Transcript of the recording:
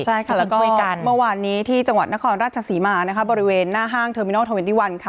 ใช่ค่ะแล้วก็เมื่อวานนี้ที่จังหวัดนครราชศรีมหาบริเวณหน้าห้างเทอร์มินัลที่๒๑